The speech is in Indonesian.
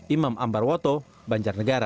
imam ambar woto banjarnegara